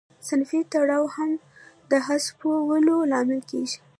صنفي تړاو هم د حذفولو لامل کیږي.